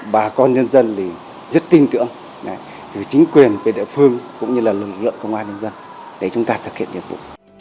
bà con nhân dân rất tin tưởng chính quyền về địa phương cũng như lực lượng của ngoài nhân dân để chúng ta thực hiện nhiệm vụ